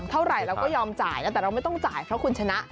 เท่าไหร่เราก็ยอมจ่ายนะแต่เราไม่ต้องจ่ายเพราะคุณชนะ